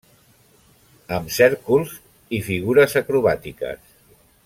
Amb cèrcols i figures acrobàtiques.